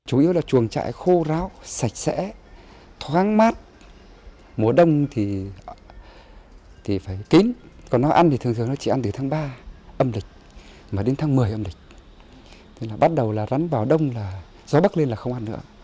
ông nguyễn đắc hồng bắt đầu rắn vào đông gió bắc lên là không ăn nữa